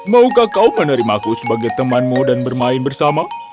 maukah kau menerimaku sebagai temanmu dan bermain bersama